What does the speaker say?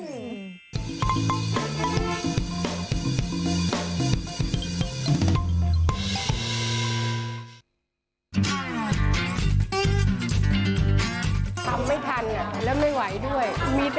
ลูกตัวก่อนขายอยู่ข้างนอกด้วยนะคะ